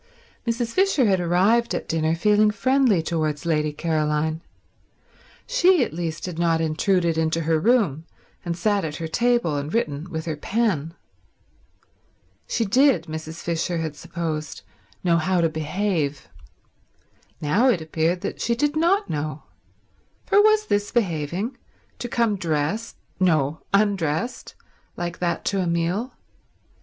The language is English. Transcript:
Mrs. Fisher had arrived at dinner feeling friendly towards Lady Caroline. She at least had not intruded into her room and sat at her table and written with her pen. She did, Mrs. Fisher had supposed, know how to behave. Now it appeared that she did not know, for was this behaving, to come dressed—no, undressed—like that to a meal?